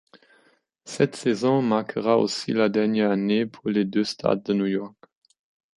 Cette saison marquera aussi la dernière année pour les deux stades de New York.